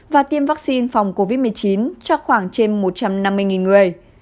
và tiêm vaccine phòng covid một mươi chín cho khoảng trên một trăm năm mươi người